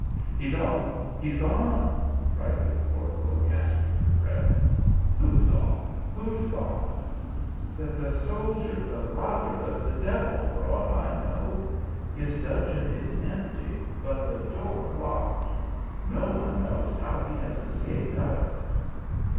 " He s off ! he s gone !" cried the corporal, gasp ing for breath. " Who s off? who s gone ?"" The soldier the robber the devil, for aught I know. His dungeon is empty, but the door locked. No one knows how he has escaped out of it."